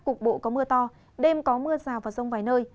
cục bộ có mưa to đêm có mưa rào và rông vài nơi